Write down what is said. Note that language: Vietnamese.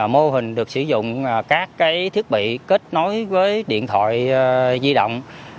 mô hình được sử dụng các thiết bị kết nối với điện thoại di động